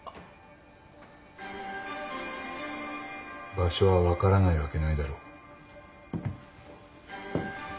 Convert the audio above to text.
場所は分からないわけないだろう。